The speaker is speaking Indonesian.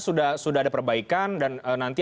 sudah ada perbaikan dan nanti